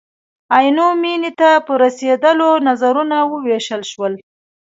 عینو مېنې ته په رسېدلو نظرونه ووېشل شول.